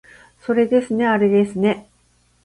そうですねあれですね